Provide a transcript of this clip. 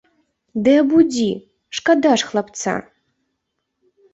Ды абудзі, шкада ж хлапца.